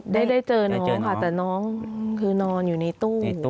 ได้เจอน้องค่ะแต่น้องคือนอนอยู่ในตู้